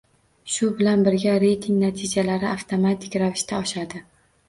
Shu bilan birga, reyting natijalari avtomatik ravishda oshadi